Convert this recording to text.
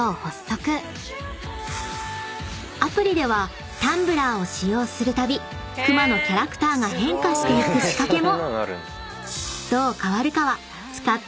［アプリではタンブラーを使用するたび熊のキャラクターが変化していく仕掛けも］